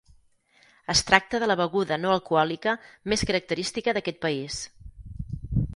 Es tracta de la beguda no alcohòlica més característica d'aquest país.